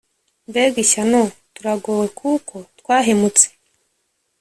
Mbega ishyano! Turagowe kuko twahemutse!